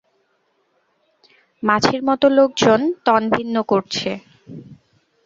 মাছির মতো লোকজন তন- ভিন্ন করছে!